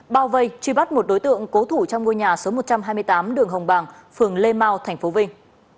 bao vây truy bắt một đối tượng cố thủ trong ngôi nhà số một trăm hai mươi tám đường hồng bàng phường lê mau tp vinh